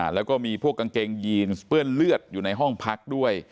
แล้วก็มีพวกกางเกงยีนเปื้อนเลือดอยู่ในห้องพักด้วย